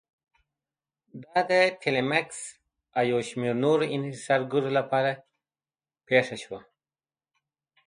دا د ټیلمکس او یو شمېر نورو انحصارګرو لپاره پېښه شوه.